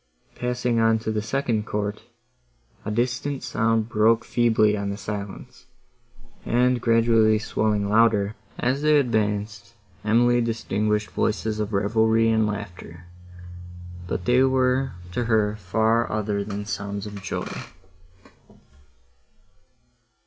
Passing on to the second court, a distant sound broke feebly on the silence, and gradually swelling louder, as they advanced, Emily distinguished voices of revelry and laughter, but they were to her far other than sounds of joy.